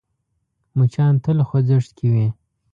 مچان تل خوځښت کې وي